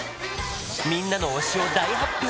みんなの推しを大発表！